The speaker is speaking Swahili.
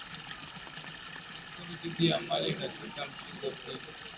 kwa sifuri dhidi ya mali katika mchezo pia